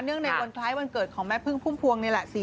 เนื่องช่วงวันคร้ายวันเกิดของแม่พึ่งภุ่มภวงนี่แหละ